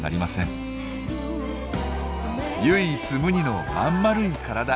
唯一無二のまんまるい体。